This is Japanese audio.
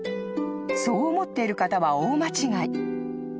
［そう思っている方は大間違い］